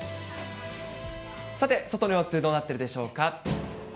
さて、外の様子どうなっているでしょうか。